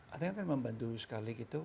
ada yang akan membantu sekali gitu